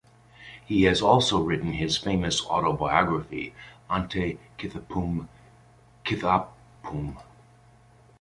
He has also written his famous autobiography "Ente Kuthippum Kithappum".